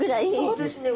そうですね。